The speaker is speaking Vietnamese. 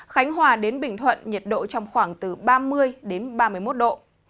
khánh hòa đến bình thuận nhiệt độ trong khoảng từ ba mươi đến ba mươi một độ